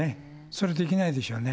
そりゃできないでしょうね。